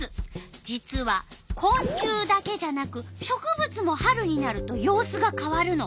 実はこん虫だけじゃなく植物も春になると様子が変わるの。